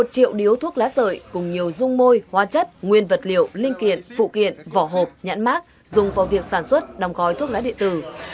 một triệu điếu thuốc lá sợi cùng nhiều dung môi hoa chất nguyên vật liệu linh kiện phụ kiện vỏ hộp nhãn mát dùng vào việc sản xuất đồng gói thuốc lá điện tử